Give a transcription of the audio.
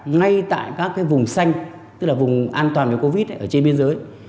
ngay tại các vùng xanh tức là vùng an toàn về covid ở trên biên giới